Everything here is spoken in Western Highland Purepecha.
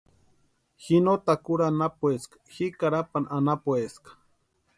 Ji no Takuru anapueska ji Carapani anapueska.